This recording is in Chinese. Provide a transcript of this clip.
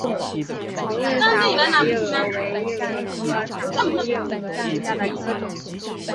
红晕散纹夜蛾为夜蛾科散纹夜蛾属下的一个种。